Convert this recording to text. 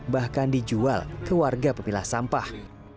bahkan dijual ke warga pemilah sampah